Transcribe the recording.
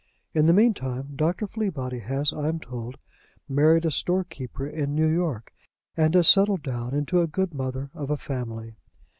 In the meantime, Dr. Fleabody has, I am told, married a store keeper in New York, and has settled down into a good mother of a family.